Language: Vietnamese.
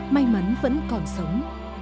may mắn vẫn còn sống